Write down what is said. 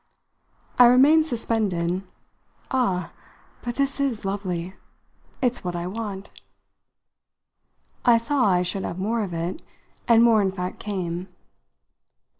I remained suspended. "Ah, but this is lovely! It's what I want." I saw I should have more of it, and more in fact came.